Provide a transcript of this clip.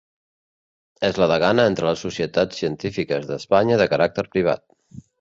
És la degana entre les societats científiques d'Espanya de caràcter privat.